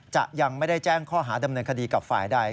จะยังไม่ได้แจ้งข้อหาดำเนินคดีกับฝ่ายใด